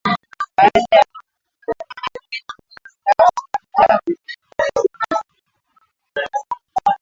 Baada ya mafanikio kwenye klabu hata kimataifa